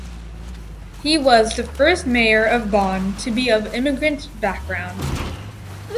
He was the first mayor of Bonn to be of immigrant background.